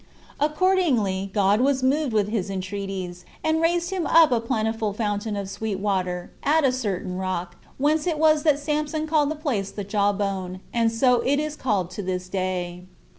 Accordingly God was moved with his entreaties, and raised him up a plentiful fountain of sweet water at a certain rock whence it was that Samson called the place the Jaw bone, 20 and so it is called to this day.